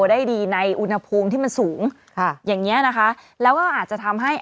ได้ดีในอุณหภูมิที่มันสูงค่ะอย่างเงี้ยนะคะแล้วก็อาจจะทำให้